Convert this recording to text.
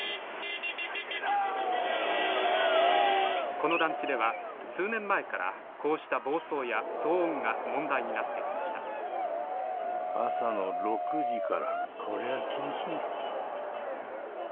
この団地では数年前からこうした暴走や騒音が問題になってきました朝の６時からこりゃ厳しい。